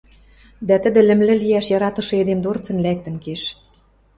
Дӓ тӹдӹ лӹмлӹ лиӓш яратышы эдем дорцын лӓктӹн кеш.